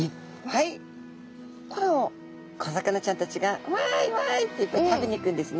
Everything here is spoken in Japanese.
これを小魚ちゃんたちが「わいわい」って食べに行くんですね。